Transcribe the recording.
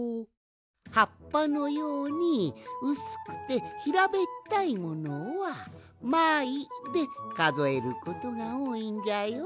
はっぱのようにうすくてひらべったいものは「まい」でかぞえることがおおいんじゃよ。